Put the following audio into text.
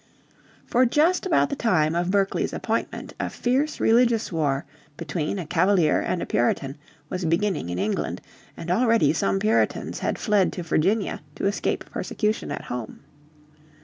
For just about the time of Berkeley's appointment a fierce religious war between Cavalier and Puritan was beginning in England, and already some Puritans had fled to Virginia to escape persecution at home.